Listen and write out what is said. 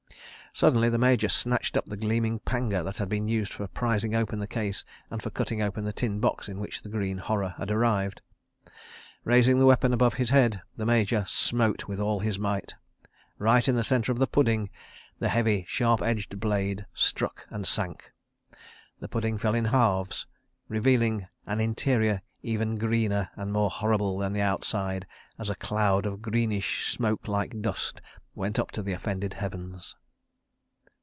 Suddenly the Major snatched up the gleaming panga that had been used for prising open the case and for cutting open the tin box in which the green horror had arrived. Raising the weapon above his head, the Major smote with all his might. Right in the centre of the Pudding the heavy, sharp edged blade struck and sank. ... The Pudding fell in halves, revealing an interior even greener and more horrible than the outside, as a cloud of greenish, smoke like dust went up to the offended heavens.